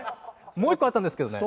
もう一個あったんですけどね。